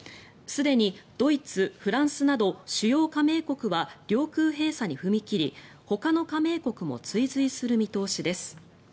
すでにドイツ、フランスなど主要加盟国は領空閉鎖に踏み切りほかの加盟国も追随する見通しです。